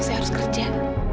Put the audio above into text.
saya harus kerja